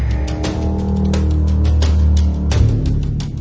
แล้วก็พอเล่ากับเขาก็คอยจับอย่างนี้ครับ